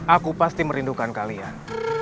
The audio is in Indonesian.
aku pasti merindukan kalian